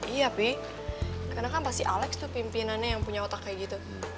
iya b karena kan pasti alex tuh pimpinannya yang punya otak kayak gitu